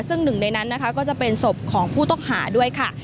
ซึ่งหนึ่งในนั้นนะคะก็จะเป็นศพของผู้ต้องหาด้วยค่ะ